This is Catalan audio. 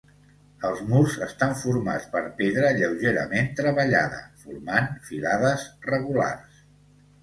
Els murs estan formats per pedra lleugerament treballada, formant filades regulars.